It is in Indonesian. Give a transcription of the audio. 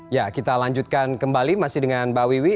ya kita lanjutkan kembali masih dengan mbak wiwi